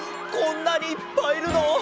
こんなにいっぱいいるの？